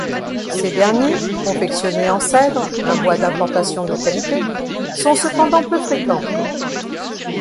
Ces derniers, confectionnés en cèdre, un bois d'importation de qualité, sont cependant peu fréquents.